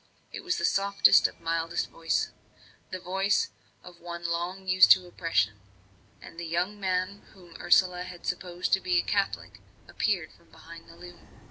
It was the softest, mildest voice the voice of one long used to oppression; and the young man whom Ursula had supposed to be a Catholic appeared from behind the loom.